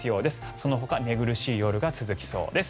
そのほか寝苦しい夜が続きそうです。